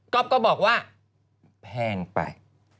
ก๊อบก็บอกว่าแพงไป